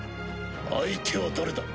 相手は誰だ？